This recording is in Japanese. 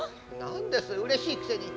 何ですうれしいくせに。